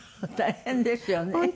大変ですよね。